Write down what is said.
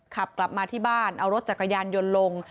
ขับกลับมาที่บ้านเอารถจักรยานยนต์ลง